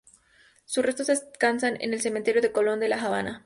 Sus restos descansan en el Cementerio de Colón de La Habana.